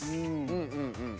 うんうんうん。